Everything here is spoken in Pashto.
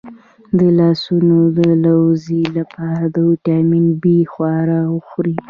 د لاسونو د لرزې لپاره د ویټامین بي خواړه وخورئ